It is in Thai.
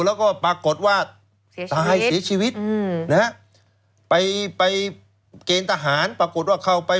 แล้วก็ปรากฏว่าตายเสียชีวิตอืมนะฮะไปไปเกณฑ์ทหารปรากฏว่าเข้าไป